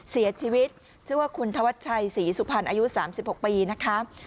เสียชีวิตชื่อว่าคุณธวัตชัยสีสุภัณฑ์อายุสามสิบหกปีนะคะ